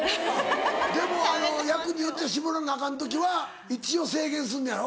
でも役によっちゃ絞らなアカン時は一応制限すんのやろ？